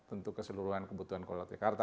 untuk keseluruhan kebutuhan kota jakarta